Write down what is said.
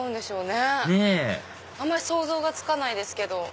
ねぇ想像がつかないですけど。